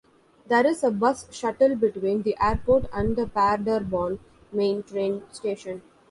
There is a bus shuttle between the airport and the Paderborn main train station.